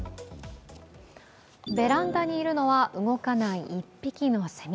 ベランダにいるのは動かない一匹のせみ。